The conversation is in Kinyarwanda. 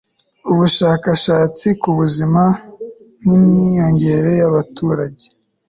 ubushakashatsi ku buzima n'imyiyongerere y'abaturage